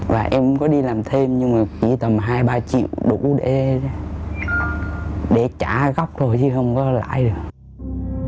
và em có đi làm thêm nhưng mà chỉ tầm hai ba triệu đủ để trả góp thôi chứ không có lãi được